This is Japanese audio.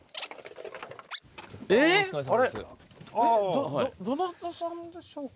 どどなた様でしょうか？